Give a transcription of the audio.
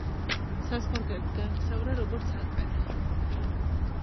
საზღვარგარეთ გაემგზავრა როგორც აკად.